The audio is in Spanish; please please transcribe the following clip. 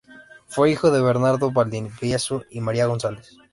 Fue hijo de Bernardo Valdivieso y María González.